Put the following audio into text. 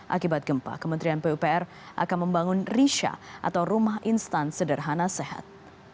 akibat gempa kementerian pupr akan membangun risha atau rumah instan sederhana sehat